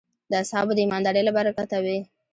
د اصحابو د ایماندارۍ له برکته وې.